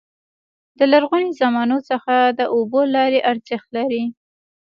د لرغوني زمانو څخه د اوبو لارې ارزښت لري.